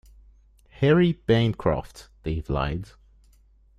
Harry Bancroft, Dave lied.